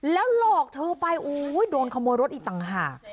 แล้วหลอกเธอไปโดนขโมยรถอีกต่างหาก